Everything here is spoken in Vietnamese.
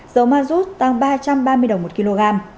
dầu ma rút tăng ba trăm ba mươi đồng một kg